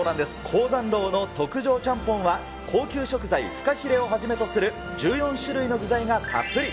江山楼の特上ちゃんぽんは高級食材、フカヒレをはじめとする、１４種類の具材がたっぷり。